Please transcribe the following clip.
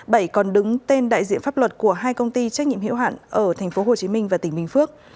bảy còn đứng tên đại diện pháp luật của hai công ty trách nhiệm hiệu hạn ở tp hồ chí minh và tỉnh bình phước